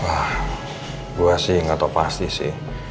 wah gua sih gak tau pasti sih